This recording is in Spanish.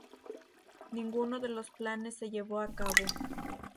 Ninguno de los planes de llevó a cabo.